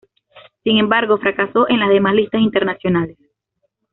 Sin embargo fracaso en las demás listas internacionales.